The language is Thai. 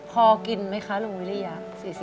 พอกินไหมคะลุงวิริยะ